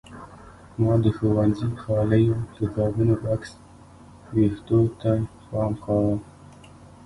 ما د ښوونځي کالیو کتابونو بکس وېښتو ته پام کاوه.